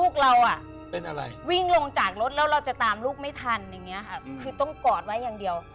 คือต้องกอดไว้อย่างเดียว